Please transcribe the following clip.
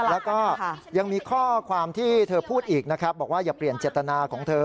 แล้วก็ยังมีข้อความที่เธอพูดอีกนะครับบอกว่าอย่าเปลี่ยนเจตนาของเธอ